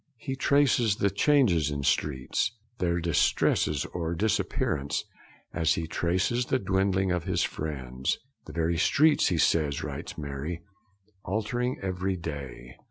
He traces the changes in streets, their distress or disappearance, as he traces the dwindling of his friends, 'the very streets, he says,' writes Mary, 'altering every day.'